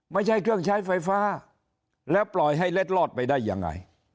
ไม่ใช่เครื่องใช้ไฟฟ้าแล้วปล่อยให้เล็ดลอดไปได้ยังไง